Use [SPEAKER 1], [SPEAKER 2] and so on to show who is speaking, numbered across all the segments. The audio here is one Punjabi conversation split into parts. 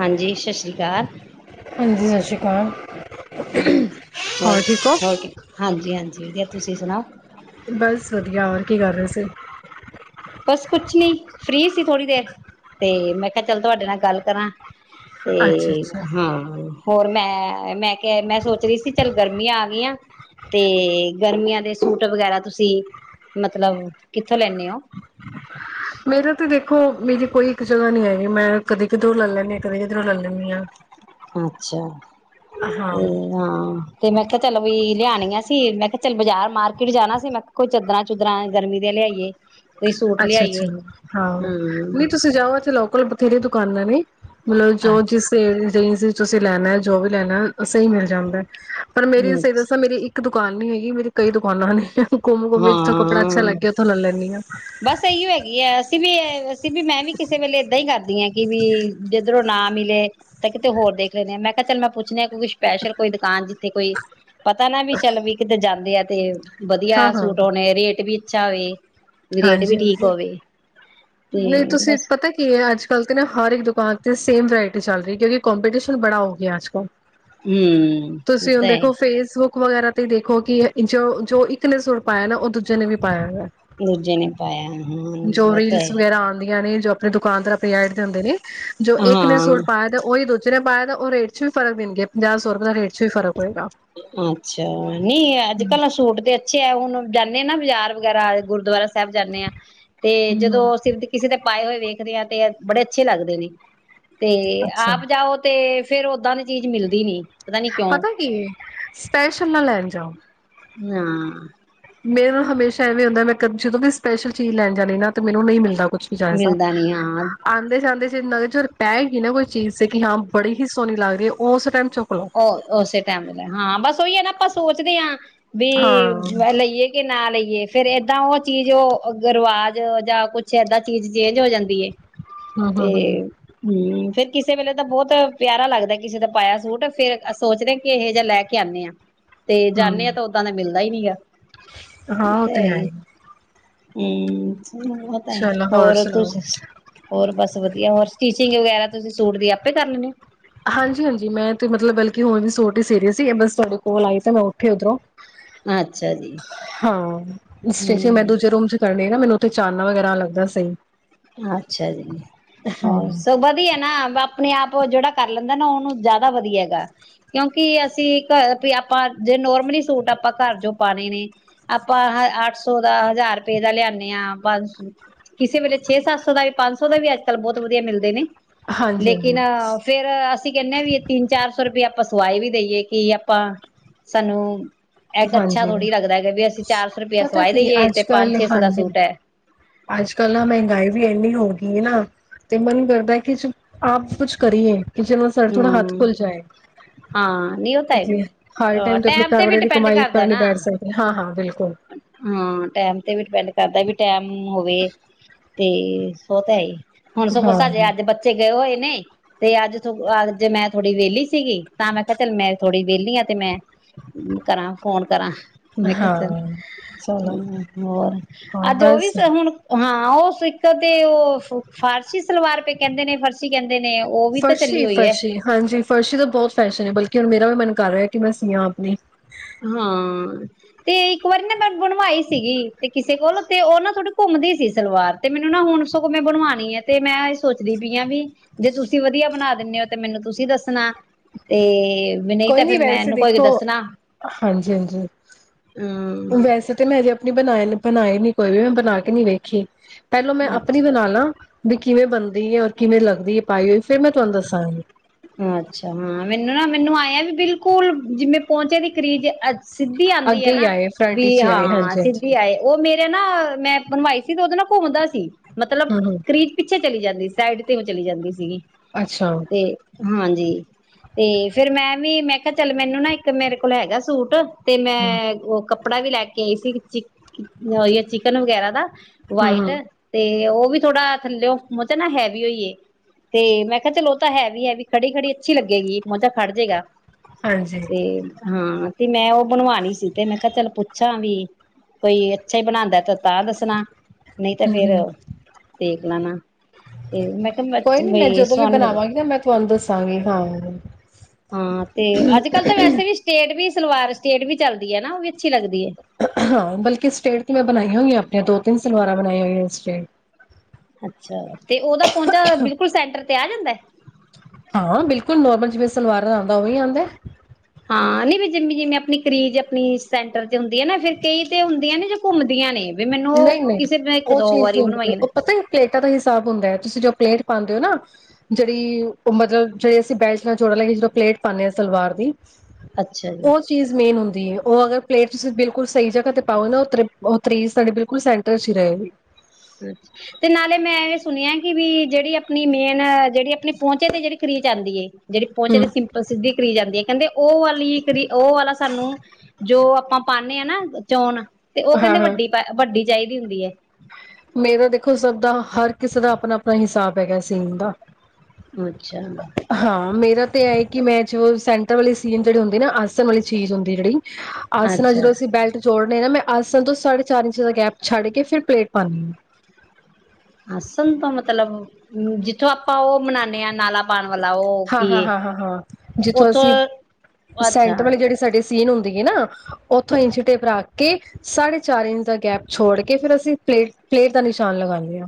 [SPEAKER 1] ਹਾਂਜੀ ਸਤਿ ਸ੍ਰੀ ਅਕਾਲ।
[SPEAKER 2] ਹਾਂਜੀ ਸਤਿ ਸ਼੍ਰੀ ਅਕਾਲ, ਹੋਰ ਠੀਕ ਹੋ?
[SPEAKER 1] ਹੋਰ-ਹੋਰ ਹਾਂਜੀ-ਹਾਂਜੀ ਵਧੀਆ ਤੁ ਤੁਸੀਂ ਸੁਣਾਓ।
[SPEAKER 2] ਬਸ ਵਧੀਆ, ਹੋਰ ਕੀ ਕਰ ਰਹੇ ਸੀ।
[SPEAKER 1] ਬਸ ਕੁਛ ਨੀ ਫ੍ਰਰੀ ਸੀ ਥੋੜ੍ਹੀ ਦੇਰ, ਤੇ ਮੈਂ ਕਿਹਾ ਚੱਲ ਤੁਹਾਡੇ ਨਾਲ ਗੱਲ ਕਰਾਂ। ਤੇ
[SPEAKER 2] ਅੱਛਾ ਅੱਛਾ।
[SPEAKER 1] ਹਾਂ ਹੋਰ ਵੀ ਮੈਂ-ਮੈਂ ਕਿਹਾ ਮੈਂ ਸੋਚ ਰਹੀ ਸੀ ਚੱਲ ਗਰਮੀਆਂ ਆ ਗਈਆਂ, ਤੇ ਗਰਮੀਆਂ ਦੇ ਸੂਟ ਵਗੈਰਾ ਤੁਸੀਂ ਮਤਲਬ ਕਿੱਥੋਂ ਲੈਂਣੇ ਔ।
[SPEAKER 2] ਮੇਰਾ ਤੇ ਦੇਖੋ ਮੇਰੀ ਕੋਈ ਇੱਕ ਜਗ੍ਹਾ ਨੀ ਹੈਗੀ, ਮੈਂ ਕਦੇ ਕਿੱਧਰੋਂ ਲੈ ਲੈਂਨੀ ਆਂ ਕਦੇ ਕਿੱਧਰੋਂ ਲੈ ਲੈਨੀ ਆਂ।
[SPEAKER 1] ਅੱਛਾ। ਹੂੰ, ਹਾਂ। ਤੇ ਮੈਂ ਕਿਹਾ ਚੱਲ ਵੀ ਲਿਆਣੀਆਂ ਸੀ, ਮੈਂ ਕਿਹਾ ਚੱਲ ਬਾਜ਼ਾਰ ਮਾਰਕੀਟ ਜਾਣਾ ਸੀ, ਮੈਂ ਕਿਹਾ ਕੋਈ ਚਾਦਰਾਂ ਚੁਦਰਾਂ ਗਰਮੀ ਦੇ ਲਿਆਈਏ। ਕੋਈ ਸੂਟ
[SPEAKER 2] ਅੱਛਾ-ਅੱਛਾ
[SPEAKER 1] ਲਿਆਈਏ
[SPEAKER 2] ਹਾਂ,
[SPEAKER 1] ਹਮ
[SPEAKER 2] ਨਹੀਂ ਤੁਸੀਂ ਜਾਓ ਇੱਥੇ ਲੋਕਲ ਬੋ ਥੇਰੇ ਦੁਕਾਨਾਂ ਨੇ ਮਤਲਬ ਜੋ
[SPEAKER 1] ਅੱਛ
[SPEAKER 2] ਜਿਸ ਅ ਜ ਤੁਸੀਂ ਲੈਣਾ ਜੋ ਵੀ ਲੈਣਾ ਸਹੀ ਮਿਲ ਜਾਂਦਾ। ਪਰ ਮੇਰੀ
[SPEAKER 1] ਅੱਛਾ
[SPEAKER 2] ਸਹੀ ਦੱਸਾਂ ਇੱਕ ਤੋ ਦੁਕਾਨ ਨੀ ਹੈਗੀ, ਮੇਰੀ ਕਈ ਦੁਕਾਨਾਂ ਨੇਂ। [unintelligible] ਤੋਂ ਕੱਪੜਾ ਅੱਛਾ ਲੈ ਕੇ ਇਥੋਂ ਲੈ ਲੈਨੇ ਆਂ
[SPEAKER 1] ਬੱਸ ਇਹ ਹੈਗੀ ਏ, ਅਸੀ ਵੀ ਏ ਵੀ ਮੈਂ ਵੀ ਕਿਸੇ ਵੇਲੇ ਏਦਾਂ ਹੀ ਕਰ ਕਿ ਵੀ ਜਿੱਧਰੋਂ ਨਾ ਮਿਲੇ ਤਾਂ ਕਿਤੇ ਹੋਰ ਦੇਖ ਲੈਂਦੇ ਆ ਮੈਂ ਕਿਹਾ ਚੱਲ ਮੈਂ ਪੁੱਛਣੇ ਕੋਈ ਸਪੈਸ਼ਲ ਕੋਈ ਦੁਕਾਨ ਤੇ ਕੋਈ ਪਤਾ ਨਾ ਵੀ ਚੱਲ ਵੀ ਕਿਤੇ ਦਾ ਦੇਆ ਤੇ
[SPEAKER 2] ਹਾਂ
[SPEAKER 1] ਵਧੀਆ
[SPEAKER 2] ਹਾਂ।
[SPEAKER 1] ਸੂਟ ਹੋਣੇ ਰੇਟ ਵੀ ਚਾਵੇ ਰੇਟ ਵੀ
[SPEAKER 2] ਹਾਂਜੀ
[SPEAKER 1] ਠੀਕ
[SPEAKER 2] ਹਾਂਜੀ
[SPEAKER 1] ਹੋਵੇ
[SPEAKER 2] ਨਹੀਂ
[SPEAKER 1] ਤੇ
[SPEAKER 2] ਤੁਸੀਂ
[SPEAKER 1] ਬਸ
[SPEAKER 2] ਪਤਾ ਕੀ ਹੈ ਅੱਜ ਕੱਲ੍ਹ ਤੇ ਨਾ ਹਰ ਦੁਕਾਨ ਤੇ ਸੇਮ ਵਰਾਇਟੀ ਚੱਲ ਰਹੀ, ਕਿਉਂਕਿ ਕੋਂਪੀਟੀਸ਼ਨ ਬੜਾ ਹੋ ਗਿਆ ਅਜ ਕਲ
[SPEAKER 1] ਹੂੰ ਤੇ
[SPEAKER 2] ਫੇਸਬੁੱਕ ਵਗੈਰਾ ਤੇ ਦੇਖੋ ਕਿ ਜੋ-ਜੋ ਇੱਕ ਨੇ ਸੂਟ ਪਾਇਆ ਨਾ ਉਹ ਦੂਜੇ ਨੇ ਵੀ ਪਾਇਆ ਦਾ।
[SPEAKER 1] ਦੂਜੇ ਨੇ ਪਾਇਆ, ਹੂੰ ਉਹ ਤੇ ਹੈ ਈ
[SPEAKER 2] ਰੀਲਸ ਵਗੈਰਾ ਆਉਂਦੀਆਂ ਨੇ ਜੋ ਆਪਣੀ ਦੁਕਾਨਦਾਰ, ਆਪਣੀ ਐਡ ਦਿੰਦੇ ਨੇ ਜੋ ਇੱਕ ਨੇ
[SPEAKER 1] ਹਾਂ
[SPEAKER 2] ਸੂਟ ਪਾਇਆ ਤੇ ਉਹੀ ਦੂ ਜਿਨੇ ਪਾਇਯਾ ਉਹ ਰੇਟ 'ਚ ਫ਼ਰਕ ਦੇਣਗੇ ਪੰਜਾਹ ਸੌ ਰਪਏ ਦਾ ਰੇਟ ਚ ਵੀ ਫਰਕ
[SPEAKER 1] ਅੱਛਾ, ਨਹੀਂ ਅੱਜ ਕੱਲ ਸੂਟ ਦੇ ਅੱਛੇ ਏ ੳ ਜਾਂਦੇ ਆਨਾ ਬਾਜ਼ਾਰ ਵਗੈਰਾ ਗੁਰਦੁਆਰਾ ਸ ਸਾਹਿਬ ਜਾਂਦੇ ਆਂ, ਤੇ ਜਦੋਂ ਅਸੀ ਕਿਸੇ ਦਾ ਪਾਏ ਹੋਏ ਵੇਖਦੇ ਆਾਂ ਤੇ, ਬੜੇ ਅੱਛੇ ਲੱਗਦੇ ਨੇ ਤੇ
[SPEAKER 2] ਅੱਛਾ
[SPEAKER 1] ਆਪ ਜਾਓ ਤੇ ਫੇਰ ਓਦਾਂ ਦੀ ਚੀਜ਼ ਮਿਲਦੀ ਨੀ। ਪਤਾ ਨੀ ਕਿਉਂ
[SPEAKER 2] ਕੀ ਹੈ ਸਪੈਸ਼ਲ ਨਾ ਲੈਣ ਜਾਓ।
[SPEAKER 1] ਹਾਂ।
[SPEAKER 2] ਮੇਰੇ ਨਾਲ ਹਮੇਸ਼ਾ ਐਵੇਂ ਹੁੰਦਾ ਮੈਂ ਕ ਜਦੋਂ ਵੀ ਸਪੈਸ਼ਲ ਚੀਜ਼ ਲੈਣ ਜਾਣੀ ਨਾ ਤੇ ਮੈਨੂੰ ਨਹੀਂ ਮਿਲਦਾ ਕੁਛ ਵੀ ਜੈਸਾ
[SPEAKER 1] ਮਿਲਦਾ ਨੀ ਹਾਂ
[SPEAKER 2] ਆਂਦੇ ਜਾਂਦੇ ਜਿਨਾ [unintelligible] ਚ ਪੈਗੀ ਨਾ ਕੋਈ ਚੀਜ਼ ਤੇ ਕਿ ਹਾਂ ਬੜੀ ਹੀ ਸੋਹਣੀ ਲੱਗਦੀ ਹੈ ਉਸ ਟਾਈਮ ਚੁੱਕ ਲਓ।
[SPEAKER 1] ਉਹ ਉਸੇ ਟਾਈਮ ਹਾਂ ਬਸ ਉਹੀ ਹੈ ਨਾ ਸੋਚਦੇ ਆ। ਵੀ
[SPEAKER 2] ਹਾਂ
[SPEAKER 1] ਲਈਏ ਕਿ ਨਾ ਲਈਏ। ਫੇਰ ਏਦਾਂ ਉਹ ਚੀਜ਼ ਉਹ ਰਿਵਾਜ ਜਾਂ ਕੁੱਛ ਏਦਾਂ ਚੀਜ਼ ਚੇਂਜ ਹੋ ਜਾਂਦੀ ਐ।
[SPEAKER 2] ਹੂੰ
[SPEAKER 1] ਤੇ
[SPEAKER 2] ਹੂੰ ਹੂੰ
[SPEAKER 1] ਹੂੰ। ਫੇਰ ਕਿਸੇ ਵੇਲੇ ਤਾਂ ਬਹੁਤ ਪਿਆਰਾ ਲੱਗਦਾ ਕਿਸੇ ਦਾ ਪਾਇਆ ਸੂਟ। ਫੇਰ ਸੋਚਦੇ ਆ ਕਿ ਇਹ ਜਿਹਾ ਲੈ ਕੇ ਆਣੇ ਆ। ਤੇ ਜਾਣੇ ਆ
[SPEAKER 2] ਹੂੰ
[SPEAKER 1] ਤੇ ਓਦਾਂ ਦਾ ਮਿਲ [unintelligible]
[SPEAKER 2] ਹਾਂ ਉਹ ਤਾਂ ਹੈ।
[SPEAKER 1] ਹੂੰ।
[SPEAKER 2] ਚਲੋ
[SPEAKER 1] ਹੋਰ ਤੂੰ
[SPEAKER 2] ਸੁਣਾਓ।
[SPEAKER 1] ਹੋਰ ਬਸ ਵਧੀਆ ਹੋਰ ਸਟੀਚਿੰਗ ਵਗੈਰਾ ਤੁਸੀਂ ਸੂਟ ਦੀ ਆਪੇ ਕਰਨ ਲੈਣੇ ਔ।
[SPEAKER 2] ਹਾਂਜੀ ਹਾਂਜੀ, ਮੈਂ ਤੇ ਮਤਲਬ ਬਲਕਿ ਹੁਣ ਵੀ ਸੂਟ ਹੀ ਸੀਰੀ ਸੀ ਬਸ ਤੁਹਾਡੇ ਕੋਲ ਆਈ ਤਾਂ ਮੈਂ ਉਠੀ ਉੱਧਰੋਂ।
[SPEAKER 1] ਹੋ ਅੱਛਾ ਜੀ
[SPEAKER 2] ਹਾਂ, ਸਟੀਚਿੰਗ ਮੈਂ
[SPEAKER 1] ਹਮ
[SPEAKER 2] ਦੂਜੇ ਰੂਮ ਚ ਕਰਨੀ। ਮੈਨੂੰ ਉੱਥੇ ਚਾਨਨਾ ਵਗੈਰਾ ਲੱਗਦਾ ਸਹੀ।
[SPEAKER 1] ਅੱਛਾ ਜੀ।
[SPEAKER 2] ਹਾਂ
[SPEAKER 1] ਹੋਰ ਸੋ ਵਧੀਆ ਨਾ ਆਪਣੇ ਆਪ ਜਿਹੜਾ ਕਰ ਲੈਂਦਾ। ਨਾ ਉਹਨੂੰ ਜ਼ਿਆਦਾ ਵਧੀਆ ਹੈਗਾ ਕਿਉਂਕਿ ਅਸੀਂ ਆਪਾਂ ਜੇ ਨੋਰਮਲੀ ਸੂਟ ਆਪਾਂ ਘਰ ਜੋ ਪਾਣੇ ਨੇ ਆਪਾਂ ਅੱਠ ਸੌ ਦਾ ਹਜ਼ਾਰ ਰੁਪਏ ਦਾ ਲਿਆਨੇ ਆ ਪੰ ਕਿਸੇ ਵੇਲੇ ਛੇ ਸੱਤ ਸੌ ਦਾ ਵੀ ਪੰਜ ਸੌ ਦਾ ਵੀ ਅਜ ਕੱਲ੍ਹ ਬਹੁਤ ਵਧੀਆ ਮਿਲਦੇ ਨੇ।
[SPEAKER 2] ਹਾਂਜੀ ਹਾਂਜੀ
[SPEAKER 1] ਲੇਕਿਨ ਫੇਰ ਅਸੀਂ ਕਹਿਣੇ ਹਾਂ ਵੀ ਤਿੰਨ ਚਾਰ ਸੌ ਰੁਪਇਆ ਆਪਾਂ ਸਵਾਈ ਵੀ ਦੇਈਏ ਕਿ ਆਪਾਂ ਸਾਨੂੰ ਇਹ ਅੱਛਾ
[SPEAKER 2] ਹਾਂਜੀ
[SPEAKER 1] ਥੋੜ੍ਹੀ ਲਗਦਾ ਐ ਵੀ ਅਸੀਂ ਚਾਰ ਸੌ ਰੁਪਇਆ
[SPEAKER 2] ਪਤਾ
[SPEAKER 1] ਸਵਾਈ
[SPEAKER 2] ਕੀ
[SPEAKER 1] ਦੇਈਏ ਤੇ
[SPEAKER 2] ਅੱਜ
[SPEAKER 1] ਪੰਜ
[SPEAKER 2] ਕੱਲ
[SPEAKER 1] ਛੇ ਸੌ ਦਾ
[SPEAKER 2] ਹਾਂਜੀ
[SPEAKER 1] ਸੂਟ ਐ।
[SPEAKER 2] ਗਏ ਵੀ ਇੰਨੀ ਹੋ ਗਈ ਨਾ ਤੇ ਮਨ ਕਰਦਾ ਕਿ ਆਪ ਕੁਛ ਕਰੀਏ। ਕੀ ਚਲੋ ਸਾਡਾ ਥੋੜਾ ਹੱਥ
[SPEAKER 1] ਹੂੰ
[SPEAKER 2] ਖੁੱਲ ਜਾਏ
[SPEAKER 1] ਹਾਂ ਨਹੀਂ ਉਹ ਤਾਂ ਹੈ ਵੀ
[SPEAKER 2] ਹਰ ਟਾਈਮ ਤੇ ਆਪਣੇ
[SPEAKER 1] ਟੈਮ
[SPEAKER 2] ਘਰ
[SPEAKER 1] ਵੀ ਡਿਪੈਂਡ
[SPEAKER 2] ਵਾਲੇ
[SPEAKER 1] ਕਰਦਾ
[SPEAKER 2] ਪਰ ਨੀ
[SPEAKER 1] ਨਾ
[SPEAKER 2] ਬੈਠ ਸਕਦੇ ਹਾਂ ਹਾਂ। ਬਿਲਕੁ
[SPEAKER 1] ਹਾਂ, ਟੈਮ ਤੇ ਵੀ ਡਿਪੈਂਡ ਕਰਦਾ ਵੀ। ਟੈਮ ਹੋਵੇ। ਤੇ ਸੋ ਤੇ ਹੈ ਹੀ। ਹੁਣ ਸਗੋਂ
[SPEAKER 2] ਹਾਂ
[SPEAKER 1] ਸਾਜੇ ਅੱਜ ਬੱਚੇ ਗਏ ਹੋਏ ਨੇ। ਤੇ ਅੱਜ-ਅੱਜ ਮੈਂ ਥੋੜ੍ਹੀ ਵਿਹਲੀ ਸੀਗੀ, ਤਾਂ ਮੈਂ ਕਿਹਾ ਚੱਲ ਮੈਂ ਥੋੜੀ ਵਿਹਲੀ ਆਂ ਤੇ ਮੈਂ ਕਰਾਂ ਫੋਨ ਕਰਾਂ। [unintelligible]
[SPEAKER 2] ਹਾਂ ਚਲੋ
[SPEAKER 1] ਹੂੰ, ਹੋਰ
[SPEAKER 2] ਹਾਂ
[SPEAKER 1] ਅੱਜ ਉਹ ਵੀ
[SPEAKER 2] ਬਸ
[SPEAKER 1] ਹੁਣ ਹਾਂ। ਹਾਂ, ਉਹ ਫਿਟ ਤੇ ਉਹ ਫਾਰਸ਼ੀ ਸਲਵਾਰ ਪੇ ਕਹਿੰਦੇ ਨੇ ਫਰਸ਼ੀ ਕਹਿੰਦੇ। ਨੇ ਉਹ ਵੀ ਤਾਂ ਚੱਲੀ ਹੋਈ ਹੈ
[SPEAKER 2] ਫਰਸ਼ੀ-ਫਰਸ਼ੀ ਹਾਂਜੀ ਫਰਸ਼ੀ ਤਾਂ ਬਹੁਤ ਫੈਸ਼ਨ ਹੈ, ਬਲਕਿ ਹੁਣ ਮੇਰਾ ਵੀ ਮੈਨੂੰ ਕਰ ਰਿਹਾ ਕਿ ਮੈਂਸੀ ਆਪ ਹੀ।
[SPEAKER 1] ਹਾਂ, ਤੇ ਇੱਕ ਵਾਰੀ ਨਾ ਮੈਂ ਬਣਵਾਈ ਸੀਗੀ, ਤੇ ਕਿਸੇ ਕੋਲ ਤੇ ਉਹ ਨਾ ਥੋੜੀ ਘੁੰਮਦੀ ਸੀ, ਸਲਵਾਰ ਤੇ ਮੈਨੂੰ ਨਾ ਹੁਣ ਸਗੋਂ ਮੈਂ ਬਣਵਾਣੀ ਆ ਤੇ ਮੈਂ ਇਹ ਸੋਚਦੀ ਪਈ ਆ ਵੀ ਜੇ ਤੁਸੀਂ ਵਧੀਆ ਬਣਾ ਦਿੰਨੇ ਹੋ ਤੇ ਮੈਨੂੰ ਤੁਸੀਂ ਦੱਸਣਾ ਤੇ। ਵੀ ਨਹੀਂ ਤਾਂ ਫੇਰ ਮੈਂ ਨੂੰ ਕੋਈ ਦੱਸਣਾ।
[SPEAKER 2] ਹਾਂਜੀ-ਹਾਂਜੀ
[SPEAKER 1] ਹਮ
[SPEAKER 2] ਵੈਸੇ ਤਾਂ ਮੈਂ ਬਣਾਏ, ਬਣਾਈ ਨੀ ਕੋਈ ਵੀ ਮੈਂ ਬਣਾ ਕੇ ਨੀ ਵੇਖੀ। ਪਹਿਲੋਂ ਮੈਂ ਆਪਣੀ
[SPEAKER 1] ਅੱਛਾ
[SPEAKER 2] ਬਣਾ ਲਾ। ਵੀ ਕਿਵੇਂ ਬਣਦੀ ਹੈ, ਔਰ ਕਿਵੇਂ ਲੱਗਦੀ ਹੈ, ਪਾਈ ਹੋਈ ਫੇਰ ਮੈਂ ਤੁਹਾਨੂੰ ਦੱਸਾਂਗੀ।
[SPEAKER 1] ਮੈਂ ਵੀ ਬਿਲਕੁਲ ਜਿਵੇਂ ਪੋਚਿਆ ਦੀ ਕਰੀਜ਼, ਸਿੱਧੀ ਆਦੀ ਹੈ
[SPEAKER 2] ਅੱਗੇ ਹੀ
[SPEAKER 1] ਨਾ
[SPEAKER 2] ਆਏ ਫਰੰਟ
[SPEAKER 1] ਵੀ
[SPEAKER 2] ਵਿਚ ਹੀ ਆਏ
[SPEAKER 1] ਹਾਂ, ਸਿੱਧੀ
[SPEAKER 2] ਹਾਂਜੀ-ਹਾਂਜੀ
[SPEAKER 1] ਆਏ ਉਹ ਮੇਰੇ ਨਾ ਮੈਂ ਬਣਵਾਈ। ਤੇ ਉਹਦੇ ਨਾਲ ਘੁੰਮਦਾ ਸੀ। ਮਤਲਬ
[SPEAKER 2] ਹੂੰ-ਹੂੰ
[SPEAKER 1] ਕਰੀਜ ਪਿੱਛੇ ਚਲੀ ਜਾਂਦੀ। ਸਾਈਡ ਤੇ ਚਲੀ ਜਾਂਦੀ ਸੀਗੀ।
[SPEAKER 2] ਅੱਛਾ,
[SPEAKER 1] ਤੇ ਹਾਂਜੀ, ਤੇ ਫੇਰ ਮੈਂ ਵੀ ਮੈਂ ਕਿਹਾ ਚੱਲ ਮੈਨੂੰ ਨਾ ਇੱਕ ਮੇਰੇ ਕੋਲ ਹੈਗਾ ਸੂਟ ਤੇ
[SPEAKER 2] ਹੂੰ-ਹੂੰ
[SPEAKER 1] ਮੈਂ ਉ ਕੱਪੜਾ ਵੀ ਲੈ ਕੇ ਆਈ ਸੀ, ਚ ਚਿਕਨ ਵਗੈਰਾ ਦਾ। ਵਾਈਟ ਤੇ ਉਹ ਉਹ ਵੀ ਥੋੜਾ ਥੱਲਿਓ ਮਤਲ ਨਾ ਹੈਵੀ ਹੋਈਏ, ਤੇ ਮੈਂ ਕਿਹਾ ਚਲੋ ਉਹ ਤਾਂ ਹੈਵੀ ਐ ਵੀ ਖੜੀ-ਖੜੀ ਅੱਛੀ ਲੱਗੇਗੀ ਮਾੜਾ ਜਾ ਖੜ ਏਗਾ।
[SPEAKER 2] ਹਾਂਜੀ
[SPEAKER 1] ਤੇ ਹਾਂ, ਤੇ ਮੈਂ ਉਹ ਬਣਵਾਣੀ ਸੀ, ਤੇ ਮੈਂ ਕਿਹਾ ਚੱਲ ਪੁੱਛਾਂ ਵੀ ਕੋਈ ਅੱਛਾ ਹੀ ਬਣਾਦਾ ਤੇ ਤਾਂ ਦੱਸਣਾ। ਨਹੀਂ ਤਾਂ ਫੇਰ
[SPEAKER 2] ਹੂੰ-ਹੂੰ
[SPEAKER 1] ਦੇਖ ਲੈਣਾ, ਤੇ ਮੈਂ ਕਿਹਾ
[SPEAKER 2] ਕੋਈ ਨੀ ਮੈਂ ਜਦੋਂ ਵੀ
[SPEAKER 1] ਸੋਣ
[SPEAKER 2] ਬਣਾਵਾਂਗੀ ਨਾ ਮੈਂ ਤੁਹਾਨੂੰ ਦੱਸਾਂਗੀ ਹਾਂ।
[SPEAKER 1] ਹਾਂ, ਤੇ ਅੱਜ ਕੱਲ ਤਾਂ ਵੈਸੇ ਵੀ ਸਟੇ ਵੀ ਸਲਵਾਰ ਸਟੇਟ ਵੀ ਚੱਲਦੀ ਹੈ, ਨਾ ਉਹ ਵੀ ਅੱਛੀ ਲੱਗਦੀ ਹੈ।
[SPEAKER 2] ਹਾਂ ਬਲਕਿ ਸਟੇਟ ਤੋਂ ਮੈਂ ਬਣਾਈ ਹੋਈ, ਆਪਣੀਆਂ ਦੋ ਤਿੰਨ ਸਲਵਾਰਾਂ ਬਣਾਈਆਂ ਹੋਈਆਂ ਸਟੇਟ।
[SPEAKER 1] ਅੱਛਾ ਤੇ ਉਹਦਾ, ਪਹੁੰਚਾ ਬਿਲਕੁਲ ਸੈਂਟਰ ਤੇ ਆ ਜਾਂਦਾ।
[SPEAKER 2] ਹਾਂ ਬਿਲਕੁਲ ਨੋਰਮਲ ਜਿਵੇਂ ਸਲਵਾਰ ਆਉਂਦਾ ਉਹੀ ਆਉਂਦਾ।
[SPEAKER 1] ਹਾਂ। ਨ ਵੀ ਜਿਮੀ ਜਿਵੇਂ ਆਪਣੀ ਕਰੀਜ਼ ਆਪਣੀ ਸੈਂਟਰ ਤੇ ਹੁੰਦੀ ਹੈ ਨਾ ਫਿਰ ਕਈ ਤੇ ਹੁੰਦੀਆਂ ਨੇ ਜਾਂ ਘੁੰਮਦੀਆਂ ਨੇ। ਵੀ ਮੈਨੂੰ ਉਹ
[SPEAKER 2] ਨਹੀਂ, ਨਹੀਂ।
[SPEAKER 1] ਕਿਸੇ ਨੇ ਇੱਕ
[SPEAKER 2] ਉਹ
[SPEAKER 1] ਦੋ
[SPEAKER 2] ਚੀਜ਼
[SPEAKER 1] ਵਾਰੀ
[SPEAKER 2] ਨਹੀਂ ਹੁੰਦੀ
[SPEAKER 1] ਬਣਵਾਈਆਂ ਨੇ
[SPEAKER 2] ਉਹ ਪਤਾ ਹੀ ਪਲੇਟ ਪਟਾਂ ਦਾ ਹਿਸਾਬ ਹੁੰਦਾ ਹੈ। ਤੁਸੀਂ ਜੋ ਪਲੇਟ ਪਾਉਂਦੇ ਹੋ ਨਾ, ਜਿਹੜੀ ਉਹ ਮਤਲਬ ਜਿਹੜੀ ਅਸੀਂ ਬੈਚ ਨਾਲ ਜੋੜਾ ਲੈ ਕੇ ਜਦੋਂ ਪਲੇਟ ਪਾਉਂਦੇ ਹਾਂ ਸਲਵਾਰ ਦੀ
[SPEAKER 1] ਅੱਛਾ ਜੀ।
[SPEAKER 2] ਉਹ ਚੀਜ਼ ਮੇਨ ਹੁੰਦੀ। ਉਹ ਅਗਰ ਪਲੇਟ ਤੁਸੀਂ ਬਿਲਕੁਲ ਸਹੀ ਜਗ੍ਹਾ ਤੇ ਪਾਓ ਨਾ ਤੀ ਸਾਡੇ ਬਿਲਕੁਲ ਸੈਂਟਰ ਹੀ ਰਹੇ ਗੀ।
[SPEAKER 1] ਅ ਤੇ ਨਾਲੇ ਮੈਂ ਇਹ ਸੁਣਿਆ ਕਿ ਵੀ ਜਿਹੜੀ ਆਪਣੀ ਮੇਨ ਜਿਹੜੀ ਆਪਣੀ ਪਹੁਚੇ ਤੇ ਕਰੀਜ ਆਉਦੀ ਹੈ। ਜਿਹੜੀ ਪਹੁੰਚੇ ਤੇ
[SPEAKER 2] ਹਮ
[SPEAKER 1] ਸਿੰਲ ਸਿੱਧੀ। ਕਰੀ ਜਾਂਦੀ ਆ ਕਹਿੰਦੇ ਉਹ ਵਾਲੀ ਉਹ ਵਾਲਾ ਸਾਨੂੰ, ਜੋ ਆਪਾਂ ਪਾਦੇ ਹਾਂ ਨਾ ਚੋਣ ਤੇ ਉਹ
[SPEAKER 2] ਹਾਂ
[SPEAKER 1] ਕਹਿੰਦੇ
[SPEAKER 2] ਹਾਂ
[SPEAKER 1] ਵੱਡੀ ਪ ਵੱਡੀ ਚਾਹੀਦੀ ਹੁੰਦੀ ਹੈ।
[SPEAKER 2] ਮੇਰਾ ਦੇਖੋ ਸਭ ਦਾ ਹਰ ਕਿਸੇ ਦਾ ਆਪਣਾ- ਆਪਣਾ ਹਿਸਾਬ ਹੈਗਾ ਸੀਨ ਦਾ।
[SPEAKER 1] ਅੱਛਾ।
[SPEAKER 2] ਆਏ ਕਿ ਮੈਂ ਚ ਸੈਂਟਰ ਵਾਲੀ ਸੀਨ ਜਿਹੜੀ ਹੁੰਦੀ ਨਾ ਆਸਨ ਵਾਲੀ ਚੀਜ਼ ਹੁੰਦੀ ਜਿਹੜੀ ਅਸ ਨਾ
[SPEAKER 1] ਅੱਛਾ
[SPEAKER 2] ਜਦੋਂ ਅਸੀਂ ਬੈਲਟ ਜੋੜਨ ਨਾ ਮੈਂ ਅੱ ਸਾਨੂੰ ਤੋਂ ਸ ਸਾਢੇ ਚਾਰ ਇੰਚ ਦਾ ਗੈਪ ਛੱਡ ਕੇ ਫਿਰ ਪਲੇਟ ਹਾਂਜੀ।
[SPEAKER 1] ਆਸਣ ਤੋਂ ਮਤਲਬ, ਜਿੱਥੋਂ ਆਪਾਂ ਉਹ ਮਨਾਦੇ ਹਾਂ ਨਾਲਾ ਪਾਣ ਵਾਲਾ ਉਹ
[SPEAKER 2] ਹਾਂ-
[SPEAKER 1] ਕੀ
[SPEAKER 2] ਹਾਂ-
[SPEAKER 1] ਏ
[SPEAKER 2] ਹਾਂ, -ਹਾਂ- ਹਾਂ। ਜਿੱਥੋਂ
[SPEAKER 1] ਉੱਥੋਂ
[SPEAKER 2] ਅਸੀਂ
[SPEAKER 1] ਅੱਛਾ
[SPEAKER 2] ਸੈਂਟਰ ਵਾਲੇ ਜਿਹੜੇ ਸਾਡੇ ਸੀਨ ਹੁੰਦੀ ਹੈ। ਨਾ ਉੱਥੋਂ ਇੰਚ ਟੇਪ ਰੱਖ ਕੇ ਸਾਢੇ ਚਾਰ ਇੰਚ ਦਾ ਗੈਪ ਛੋੜ ਕੇ ਫਿਰ ਅਸੀਂ ਪਲੇਟ, ਪਲੇਟ ਦਾ ਨਿਸ਼ਾਨ ਲਗਾਉਂਦੇ ਹਾਂ।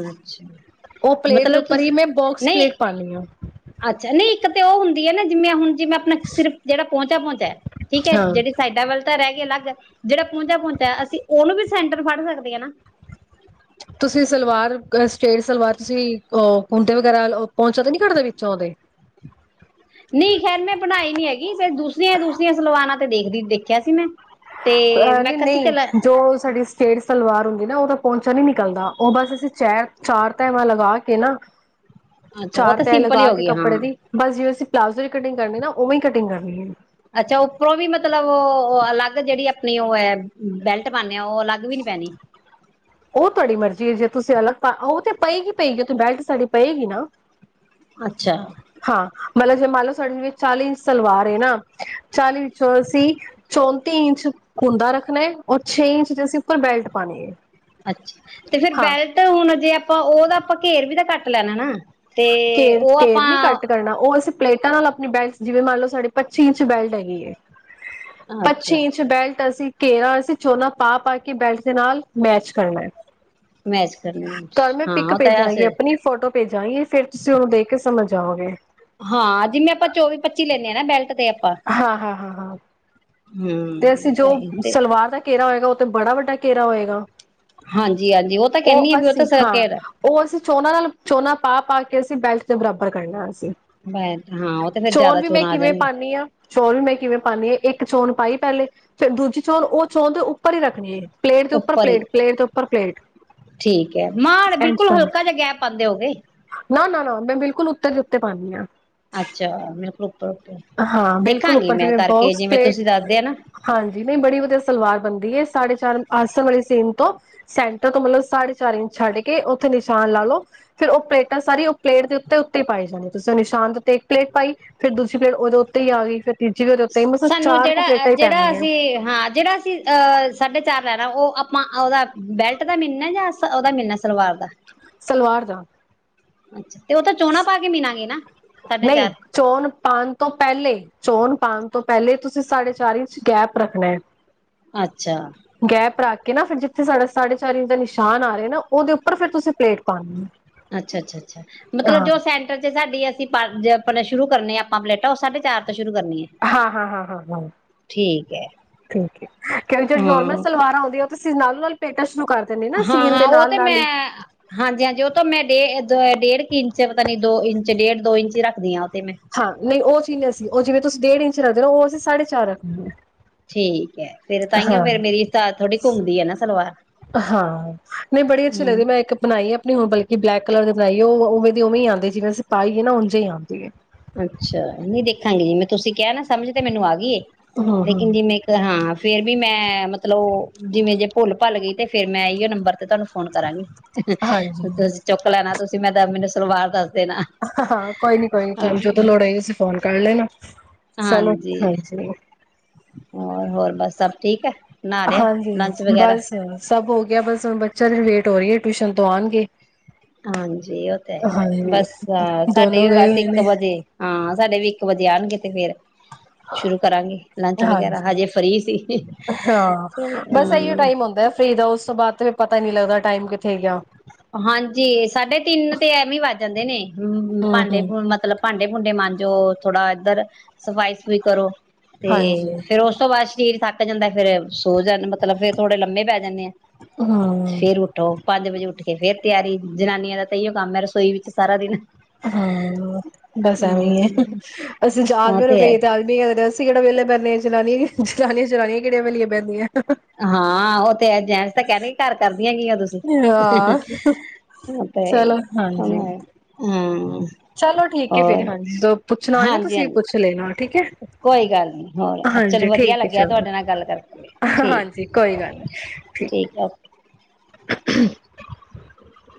[SPEAKER 1] ਅੱਛਾ। ਮਤਲਬ ਤੁਸੀਂ ਨਹੀਂ।
[SPEAKER 2] ਆ
[SPEAKER 1] ਅੱਛਾ ਨਹੀਂ ਇੱਕ ਤੇ ਉਹ ਹੁੰਦੀ ਹੈ ਨਾ ਜਿਵੇਂ ਹੁਣ ਜੀ ਮੈਂ ਆਪਣਾ ਸਿਰਫ ਜਿਹੜਾ ਪਹੁੰਚਾ ਪਹੁੰਚਿਆ ਠੀਕ ਹੈ
[SPEAKER 2] ਹਾਂ
[SPEAKER 1] ਜਿਹੜੀ ਸਾਾਈਡ ਵੱਲ ਤਾਂ ਰਹਿ ਗਿਆ ਅਲੱਗ ਜਿਹੜਾ ਪਹੁੰਚਾ ਹੰਹਦਾ ਅਸੀਂ ਉਹਨੂੰ ਵੀ ਸੈਂਟਰ ਫੜ ਸਕਦੇ ਹ ਨਾ।
[SPEAKER 2] ਤੁਸੀਂ ਸਲਵਾਰ ਸਟੇਟ ਸਲਵਾਰ ਤੁਸੀਂ, ਅਹ ਕੁੰਡੇ ਵਗੈਰਾ ਪਹੁੰਚੋ ਤੇ ਨੀ ਘਰ ਦੇ ਵਿੱਚੋਂ ਦੇ।
[SPEAKER 1] ਨਹੀਂ ਖੈਰ ਮੈਂ ਪੜ੍ਹਾਈ ਨਹੀਂ ਹੈਗੀ ਫੇਰ ਦੂਸਰੀਆਂ - ਦੂਸਰੀਆਂ ਸਲਵਾਨਾਂ ਤੇ ਦੇਖਦੀ ਦੇਖਿਆ ਸੀ ਮੈਂ ਤੇ
[SPEAKER 2] ਅਹ
[SPEAKER 1] ਮੈਂ
[SPEAKER 2] ਨਹੀਂ,
[SPEAKER 1] ਕਿਹਾ ਸੀ ਚੱਲ
[SPEAKER 2] ਨਹੀਂ ਜੋ ਸਾਡੀ ਸਟੇਟ ਸਲਵਾਰ ਹੁੰਦੀ ਨਾ ਉਹਦਾ ਪਹੁੰਚਣ ਨੀ ਨਿਕਲਦਾ ਉਹ ਬਸ ਅਸੀਂ ਚ ਚਾਰ ਟੇਹਾ ਲਗਾ ਕੇ ਨਾ
[SPEAKER 1] ਅੱਛਾ ਉਹ
[SPEAKER 2] ਚਾਰ
[SPEAKER 1] ਤਾਂ
[SPEAKER 2] ਤੈ
[SPEAKER 1] ਸਿੰਪਲ ਹੀ
[SPEAKER 2] ਲਗਾ
[SPEAKER 1] ਹੋ
[SPEAKER 2] ਕੇ
[SPEAKER 1] ਗਈ ਹਾਂ
[SPEAKER 2] ਕੱਪੜੇ ਦੀ ਬਸ ਜਿਵੇਂ ਅਸੀਂ ਪਲਾਜ਼ੋ ਦੀ ਕਟਿੰਗ ਕਰਨੀ ਨਾ ਉਵੇਂ ਕਟਿੰਗ ਕਰਨੀ ਹੈ।
[SPEAKER 1] ਅੱਛਾ, ਉੱਪਰੋਂ ਵੀ ਮਤਲਬ ਉਹ ਅਲੱਗ ਜਿਹੜੀ ਆਪਣੀ ਉਹ ਹੈ। ਬੈਲਟ ਬ
[SPEAKER 2] ਉਹ ਤੁਹਾਡੀ ਮਰਜ਼ੀ ਹੈ, ਜੇ ਤੁਸੀਂ ਅਲੱਗ ਉਹ ਤੇ ਪਏਗੀਈ, ਪਈਗੀ ਉਥੇ ਬੈਲਟ ਸਾਡੀ ਪਏਗੀ ਨਾ।
[SPEAKER 1] ਅੱਛਾ।
[SPEAKER 2] ਹਾਂ ਮਤਲਬ ਜੇ ਮੰਨ ਲਓ ਸਾਡੇ ਜਿਵੇਂ ਚਾਲੀ ਇੰਚ ਸਲਵਾਰ ਏ ਨਾ ਚਾਲੀ ਚੋ ਅਸੀ ਚੌ ਤੇਹੀ ਇੰਚ ਕੁੰਦਾ ਰੱਖਣਾ ਔਰ ਛੇ ਇੰਚ ਅਸੀਂ ਉੱਪਰ ਬੈਲ ਪਾਣੀਏ।
[SPEAKER 1] ਅੱਛਾ, ਤੇ ਫੇਿਰ ਬੈਲਟ ਹੁਣ ਅਜੇ ਤੇ ੳਹਦਾ ਆਪਾਂ ਘੇਰ ਵੀ ਤਾਂ ਘੱਟ ਲੈਣਾ ਨਾ। ਤੇ
[SPEAKER 2] ਘੇਰ
[SPEAKER 1] ਉਹ
[SPEAKER 2] -ਘੇਰ
[SPEAKER 1] ਆਪਾਂ
[SPEAKER 2] ਨੀ ਘਟ ਕਰਨਾ ਉਹ ਅਸੀਂ ਪਲੇਟਾਂ ਨਾਲ ਆਪਣੀ ਬੈਲਟ ਜਿਵੇਂ ਮੰਨ ਲਓ ਸਾਡੇ ਪੱਚੀ ਇੰਚ ਬੈਲਟ ਹੈਗੀ ਹੈ।
[SPEAKER 1] ਅੱਛਾ
[SPEAKER 2] ਪੱਚੀ ਇੰਚ ਬੈਲ ਅਸੀਂ ਘੇਰ ਅਸੀਂ ਚੋਨਾ ਪਾ-ਪਾ ਕੇ ਬੈਲਟ ਦੇ ਨਾਲ ਮੈਚ ਕਰਨਾ ਹੈ।
[SPEAKER 1] ਮੈਚ ਕਰਨਾ
[SPEAKER 2] ਤੁਹਾਨੂੰ ਮੈਂ
[SPEAKER 1] ਹਾਂ
[SPEAKER 2] ਪਿੱਕ
[SPEAKER 1] ਉਹ ਤਾਂ
[SPEAKER 2] ਭੇਜਾਂਗੀ
[SPEAKER 1] ਅਸੀ
[SPEAKER 2] ਆਪਣੀ ਫੋਟੋ ਭੇਜਾਂਗੀ ਫੇਰ ਤੁਸੀਂ ਉਹਨੂੰ ਦੇਖ ਕੇ ਸਮਝ ਜਾਓਗੇ।
[SPEAKER 1] ਹਾਂ ਜਿਵੇਂ ਆਪਾਂ ਚੌਵੀ-ਪੱਚੀ ਲੈਂਦੇ ਹਾ ਨਾ ਬੈਲਟ। ਤੇ ਆਪਾਂ
[SPEAKER 2] ਹਾਂ-ਹਾਂ-ਹਾਂ-ਹਾਂ। ਤੇ
[SPEAKER 1] ਹਮ
[SPEAKER 2] ਅਸੀਂ, ਜੋ
[SPEAKER 1] ਤਾਂ ਤੇ
[SPEAKER 2] ਸਲਵਾਰ ਦਾ ਘੇਰਾ ਹੋਏਗਾ ਬੜਾ ਵੱਡਾ ਘੇਰਾ ਹੋਏਗਾ।
[SPEAKER 1] ਹਾਂਜੀ ਹਾਂਜੀ ਤਾਂ
[SPEAKER 2] ਉਹ
[SPEAKER 1] ਕਹਿੰਦੀ ਆ ਵੀ ਤਾਂ
[SPEAKER 2] ਅਸੀਂ
[SPEAKER 1] ਸਰ
[SPEAKER 2] ਹਾਂ ਉਹ ਅਸੀਂ ਝੋਨਾ ਨਾਲ ਝੋਨਾ ਪਾ ਪਾ ਕੇ ਅਸੀ ਬੈਲਟ ਦੇ ਬਰਾਬਰ ਕਰਨਾ ਅਸੀ।
[SPEAKER 1] ਬੈਕ ਤਾ ਉਹ ਤੇ ਫੇਰ ਜਿਆਦਾ ਚੋਣਾਂ ਆ
[SPEAKER 2] ਕਿਵੇਂ
[SPEAKER 1] ਜਾਣਗੀ।
[SPEAKER 2] ਪਾਉਂਦੀ ਹਾਂ ਚੋਣ ਵੀ ਮੈਂ ਕਿਵੇਂ ਪਾਉਦੀ ਹਾਂ ਇੱਕ ਚੋਣ ਪਾਈ ਪਹਿਲੇ ਫੀਰ ਦੂਜੀ ਚੋਣ ਉਹ ਚੋਣ ਦੇ ਉੱਪਰ ਹੀ ਰੱਖਣੀ ਹੈ। ਪਲੇਟ ਦੇ
[SPEAKER 1] ਉੱਪਰ ਹੀ,
[SPEAKER 2] ਪਲੇਟ ਪਲੇਟ ਦੇ ਉੱਪਰ ਪਲੇਟ
[SPEAKER 1] ਠੀਕ ਹੈ, ਮਾਣ
[SPEAKER 2] ਇੰਝ
[SPEAKER 1] ਬਿਲਕੁਲ
[SPEAKER 2] ਪਾਉਣੀ।
[SPEAKER 1] ਹਲਕਾ ਜਿਹਾ ਗੈ ਪਾਉਂਦੇ ਹੋਣਗੇ।
[SPEAKER 2] ਹਾ ਮੈਂ ਬਿਲਕੁਲ ਉੱਤੇ ਦੇ ਉੱਤੇ ਪਾਉਂਦੀ ਹਾਂ।
[SPEAKER 1] ਅੱਛਾ ਮੇਰੇ ਕੋਲ ਉੱਪਰੋ
[SPEAKER 2] ਹਾਂ, ਬਿਲਕੁਲ ਉੱਪਰ ਜਿਵੇਂ ਬੋਕਸ
[SPEAKER 1] ਜਿਵੇਂ
[SPEAKER 2] ਪਲੇਟ
[SPEAKER 1] ਤੁਸੀਂ ਦੱਸਦੇ ਆ ਨਾ
[SPEAKER 2] ਹਾਂਜੀ ਨਹੀਂ ਬੜੀ ਵਧੀਆ ਸਲਵਾਰ ਬਣਦੀ ਹੈ। ਸਾਢੇ ਚਾਰ ਆਸਣ ਵਾਲੀ ਸੀਨ ਤੋਂ ਸੈਂਟਰ ਤੋਂ ਮਤਲਬ ਸਾਢੇ ਚਾਰ ਇੰਚ ਛੱਡ ਕੇ ਉੱਥੇ ਨਿਸ਼ਾਨ ਲਾ ਲਓ ਫੇਿਰ ਉਹ ਪਲੇਟਾਂ ਸਾਰੀ ਉਹ ਪਲੇਟ ਦੇ ਉੱਤੇ-ਉੱਤੇ ਹੀ ਪਾਈ ਜਾਂਦੀ, ਤੁਸੀਂ ਉਹ ਨਿਸ਼ਾਨ ਦੇ ਉੱਤੇ ਇੱਕ ਪਲੇਟ ਪਾਈ ਫਿਰ ਦੂਜੇ ਫੇਰ ਉਹਦੇ ਉੱਤੇ ਹੀ ਆ ਗਈ ਫਿਰ ਮਤਲਬ
[SPEAKER 1] ਸਾਨੂੰ
[SPEAKER 2] ਚਾਰ ਕੁ
[SPEAKER 1] ਜਿਹੜਾ ਅ
[SPEAKER 2] ਪਲੇਟਾਂ ਹੀ
[SPEAKER 1] ਜਿਹੜਾ
[SPEAKER 2] ਪੈਂਦੀਆਂ
[SPEAKER 1] ਅਸੀਂ ਹਾਂ ਜਿਹੜਾ ਅਸੀਂ ਅਹ ਸਾਡੇ ਚਾਰ ਲੈਣਾ ਉਹ ਆਪਾਂ ਉਹਦਾ ਬੈਲਟ ਦਾ ਮਿਲਣਾ ਜਾਂ ਉਹਦਾ ਮਿਲਣਾ ਸਲਵਾਰ ਦਾ
[SPEAKER 2] ਸਲਵਾਰ ਦਾ।
[SPEAKER 1] ਅੱਛਾ। ਤੇ ਉਹ ਤਾਂ ਝੋਨਾ ਪਾ ਕੇ ਮਿਨਾਂਗੇ ਨਾ। ਸਾਢੇ
[SPEAKER 2] ਨਹੀਂ
[SPEAKER 1] ਚਾਰ।
[SPEAKER 2] ਚੋਣ ਪਾਉਣ ਤੋਂ ਪਹਿਲੇ ਚੋਣ ਪਾਉਣ ਤੋਂ ਪਹਿਲੇ ਤੁਸੀਂ ਸਾਡੇ ਚਾਰ ਇੰਚ ਗੈਪ ਰੱਖਣਾ ਹੈ
[SPEAKER 1] ਅੱਛਾ
[SPEAKER 2] ਗੈਪ ਰੱਖ ਨਾ ਫਿਰ ਜਿੱਥੇ ਸਾਡਾ ਸਾਢੇ ਚਾਰ ਇੰਜ ਨਿਸ਼ਾਨ ਆਹਾ ਨਾ ਉਹਦੇ ਉੱਰ ਫਿਰ ਤੁਸੀਂ ਪਲੇਟ ਪਾਉਣੀ ਹੋ
[SPEAKER 1] ਅੱਛਾ ਅੱਛਾ ਅੱਛਾ ਮਤਲਬ ਜੋ ਸੈਂਟਰ ਚ ਸਾੇ ਅਸੀਂ ਆਪਣੇ ਸ਼ੁਰੂ ਕਰਨੀੇ ਆਪਾਂ ਪਲੇਟਾਂ ਉਹ ਸਾਢੇ ਚਾਰ ਤੋਂ ਸ਼ੁਰੂ ਕਰਨੀ ਐ।
[SPEAKER 2] ਹਾਂ ਹਾਂ ਹਾਂ ਹਾਂ ਹਾਂ
[SPEAKER 1] ਠੀਕ ਐ
[SPEAKER 2] ਠੀਕ ਹੈ ਕਿਉਂਕਿ ਜਿਹੜ ਨੋਰਮਲ
[SPEAKER 1] ਹਾਂ,
[SPEAKER 2] ਸਲਵਾਰ ਆਉਂਦੀ ਤੁਸੀਂ ਨਾਲੋਂ ਨਾਲ ਪੇਟਾਂ ਸ਼ੁਰੂ ਕਰ ਦਿੰਦੇ ਨਾ
[SPEAKER 1] ਹਾਂ
[SPEAKER 2] ਸੀਨ
[SPEAKER 1] ਹਾਂ
[SPEAKER 2] ਦੇ
[SPEAKER 1] ਉਹ
[SPEAKER 2] ਨਾਲ
[SPEAKER 1] ਤੇ
[SPEAKER 2] ਨਾਲ
[SPEAKER 1] ਮੈਂ
[SPEAKER 2] ਹੀ
[SPEAKER 1] ਹਾਂਜੀ ਹਾਂਜੀ ਉਹ ਤਾਂ ਮੈਂ ਡੇ ਡੇਢ ਇੰਚ ਪਤਾ ਨੀ ਦੋ ਇੰਚ ਡੇਢ ਦੋ ਇੰਚ ਰੱਖਦੀਆਂ
[SPEAKER 2] ਹਾਂ ਨਹੀਂ ਉਹ ਚ ਅ ਸੀ ਉਹ ਜਿਵੇਂ ਤੁਸੀਂ ਡੇਢ ਇੰਚ ਰੱਖਦੇ ਹੋ ਉਹ ਅਸੀਂ ਸਾਢੇ ਚਾਰ ਰੱਖਦੇ ਆ
[SPEAKER 1] ਠੀਕ ਐ। ਫੇਰ ਤਾਂਹੀਓ
[SPEAKER 2] ਹਾਂ
[SPEAKER 1] ਫੇਰ ਮੇਰੀ ਥੋੜੀ ਘੁੰਮਦੀ ਐ ਨਾ ਸਲਵਾਰ।
[SPEAKER 2] ਹਾਂ ਨਹੀਂ ਬੜੀ ਅੱਛੀ
[SPEAKER 1] ਹੂੰ
[SPEAKER 2] ਲੱਗਦੀ ਮੈਂ ਇੱਕ ਬਣਾਈ ਹੈ ਆਪਣੀ ਹੁਣ ਬਲਕ ਕਿ ਬਲੈਕ ਕਲਰ ਬਣਾਈਏ ਉਹ ਉਵੇਂ ਦੀ ਉਵੇਂ ਆਂ ਹੈ ਜਿਵੇਂ ਅਸੀਂਾਈਏ ਨਾ ਉਝਾਂ ਹੀ ਆਉਂਦੇ ਹੈ
[SPEAKER 1] ਅੱਛਾ ਨਹੀਂ ਦੇਖਾਂਗੇ ਜਿਵੇਂ ਤੁਸੀਂ ਕਿਹਾ ਨਾ ਸਮਝ ਤੇ ਮੈਨੂੰ ਆ ਗਈਏ
[SPEAKER 2] ਹਮ
[SPEAKER 1] ਲੇਕਿਨ
[SPEAKER 2] ਹਮ
[SPEAKER 1] ਜਿਵੇਂ ਇੱਕ ਹਾਂ ਫੇਰ ਵੀ ਮੈਂ ਮਤਲਬ ਜਿਵੇਂ ਜੇ ਭੁੱਲ ਭੱਲ ਗਈ ਤੇ ਫੇਿਰ ਮੈਂ ਇੋ ਨੰਬਰ ਤੇ ਤੁਹਾਨੂੰ ਫੋਨ ਕਰਾਂਗੀ
[SPEAKER 2] ਹਾਂਜੀ
[SPEAKER 1] ਤੁਸੀਂ ਚੁੱਕ ਲੈਣਾ ਤੁ ਮੈਂ ਤਾਂ ਮੈਨੂੰ ਸਲਵਾਰ ਦਾੱਸ
[SPEAKER 2] ਹਾਂ ਕੋਈ ਨੀ ਕੋਈ ਨੀ ਤੁ ਤਾਂ ਲੋੜ ਆ ਸੀ ਫੋਨ ਕਰ ਲਏ ਚਲੋ
[SPEAKER 1] ਹਾਂਜੀ।
[SPEAKER 2] ਠਾਂ ਜ
[SPEAKER 1] ਹੋਰ ਹੋਰ ਬਸ ਸਭ ਠੀਕ ਹੈ ਨਹਾ ਲਿਆ
[SPEAKER 2] ਹਾਂਜੀ ਹ
[SPEAKER 1] ਲੰਚ ਵਗੈਰਾ
[SPEAKER 2] ਬਸ ਸਭ ਹੋ ਗਿਆ ਬਸੁਣ ਬੱਚਾ ਵੇਟ ਪਟੋਰੀਏ ਟਿਊਸ਼ਨ ਤੋਂ ਆਉਣਗੇ
[SPEAKER 1] ਹਾਂਜੀ ਉਹ ਤਾਂ
[SPEAKER 2] ਹਾਂਜੀ,
[SPEAKER 1] ਬਸ ਸਾਡੇ
[SPEAKER 2] ਦੋਨੋ
[SPEAKER 1] ਵੀ
[SPEAKER 2] ਗਏ
[SPEAKER 1] ਬਸ
[SPEAKER 2] ਹੋਏ
[SPEAKER 1] ਇੱਕ
[SPEAKER 2] ਨੇ।
[SPEAKER 1] ਵਜੇ ਹਾਂ ਸਾਡੇ ਵੀ ਇੱਕ ਵਜੇ ਆਉਣਗੇ ਤੇ ਫੇਰ ਸ਼ੁਰੂ ਕਰਾਂਗੇ ਲੰਚ ਵਗੈਰਾ
[SPEAKER 2] ਹਾਂਜੀ।
[SPEAKER 1] ਹਜੇ ਫਰੀ ਸੀ
[SPEAKER 2] ਹਾਂ, ਬਸ ਇਹੀਓ
[SPEAKER 1] ਹ
[SPEAKER 2] ਟਾਈਮ ਹੁੰਦਾ ਫ੍ਰੀ ਦਾ ਉਸ ਤੋਂ ਬਾਅਦ ਤੇ ਪਤਾ ਨਹੀਂੀ ਲੱਗਦਾ ਟਾਈਮ ਕਿੱਥੇ ਹੈ
[SPEAKER 1] ਹਾਂਜੀ ਸਾਢੇ ਤਿੰਨ ਤੇ ਐਵੇਂ ਹੀ ਵੱਜ ਜਾਂਦੇ ਨੇ ਹਮ ਭਾਂਡੇ
[SPEAKER 2] ਹੂੰ-ਹੂੰ।
[SPEAKER 1] ਮਤਲਬ ਭਾਂਡੇ ਭੂੰਡੇ ਮਾਂ ਜੋ ਥੋੜਾ ਇੱਧਰ ਸਫ਼ਾਈ ਸਫ਼ਾਈ ਕਰੋ ਤੇ
[SPEAKER 2] ਹਾਂਜੀ,
[SPEAKER 1] ਫੇਰ ਉਸ ਤੋਂ ਬਾਅਦ ਸਰੀਰ ਥੱਕ ਜਾਂਦਾ ਫੇਿਰ ਸੋ ਜਾ ਮਤਲਬ ਮਤਲਬ ਫੇਰ ਥੋੜੇ ਲੰਮੇ ਪੈ ਜਾਂਦੇ ਆ
[SPEAKER 2] ਹੂੰ,
[SPEAKER 1] ਫੇਰ ਉੱਠੋ ਪੰਜ ਵਜੇ ਉੱਠ ਫੇਰ ਤਿਆਰੀ ਜਨਾਨੀਆਂ ਦਾ ਤ ਇਹੀਓ ਕੰਮ ਹੈ ਰਸੋਈ ਵਿੱਚ ਸਾਰਾ ਦਿਨ
[SPEAKER 2] ਹਾਂ ਬਸ ਐਵੇਂ ਹੀ ਹੈ
[SPEAKER 1] ਹਮ
[SPEAKER 2] ਅਸੀਂ
[SPEAKER 1] ਉਹ
[SPEAKER 2] ਆਦਮੀ
[SPEAKER 1] ਹੈ
[SPEAKER 2] ਰੁਕਈਏ ਤੇ ਆਦਮੀ ਕਿਹੜਾ ਵਹਲੇ ਪੈਂਨ ਜਨਾਨੀਆਂ ਜਨਾਨੀਆਂ ਜਨਾਨੀਆਂ ਕਿਹੜੀਆਂ ਵਹਲੀਆਂ ਪੈਂਦੀਆਂ
[SPEAKER 1] ਹਾਂ ਉਹ ਤੇ ਜੈਸ ਤਾਂ ਕਹਿਦੇ ਘਰ ਕਰਦੀਆਂ ਕੀ ਤੁਸੀਂ
[SPEAKER 2] ਹਾਂ, ਚਲੋ
[SPEAKER 1] ਤੇਣ
[SPEAKER 2] ਹਾਂਜੀ।
[SPEAKER 1] ਹਾਂ
[SPEAKER 2] ਚਲੋ ਠੀਕ ਫੇਿਰ ਹਾਂਜੀ ਜਦੋਂ ਪੁੱਛਣਾ ਹੋਏ ਨਾ
[SPEAKER 1] ਹਾਂਜੀ
[SPEAKER 2] ਤੁਸੀਂ
[SPEAKER 1] ਹਾਂਜੀ
[SPEAKER 2] ਪੁੱਛ ਲੈਣਾ ਠੀਕ ਹੈ।
[SPEAKER 1] ਕੋਈ ਗੱਲ ਨੀ ਹੋਰ
[SPEAKER 2] ਹਾਂਜੀ,
[SPEAKER 1] ਚਲੋ ਵਧੀਆ
[SPEAKER 2] ਠੀਕ ਹੈ
[SPEAKER 1] ਲੱਗਿਆ
[SPEAKER 2] ਚਲੋ,
[SPEAKER 1] ਤੁਹਾਡੇ ਨਾਲ ਗੱਲ ਕਰਕੇ
[SPEAKER 2] ਹਾਂਜੀ
[SPEAKER 1] ਠੀਕ
[SPEAKER 2] ਕੋਈ ਗੱਲ ਨੀ
[SPEAKER 1] ਠੀਕ ਓਕੇ
[SPEAKER 2] [unintelligible]